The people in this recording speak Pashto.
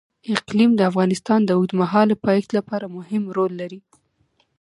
اقلیم د افغانستان د اوږدمهاله پایښت لپاره مهم رول لري.